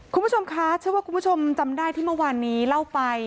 คุณผู้ชมคะเชื่อว่าคุณผู้ชมจำได้ที่เมื่อวานนี้เล่าไป